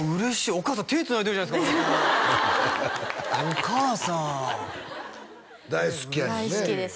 お母さん手つないでるじゃないですか俺とお母さん大好きです